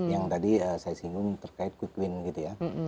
yang tadi saya singgung terkait quick win gitu ya